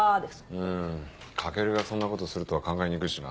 うん翔がそんなことするとは考えにくいしな。